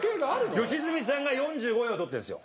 良純さんが４５票取ってるんですよ。